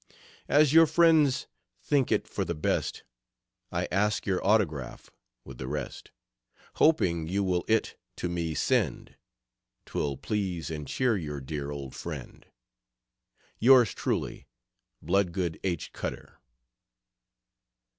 As your friends think it for the best I ask your Autograph with the rest, Hoping you will it to me send 'Twill please and cheer your dear old friend: Yours truly, BLOODGOOD H. CUTTER.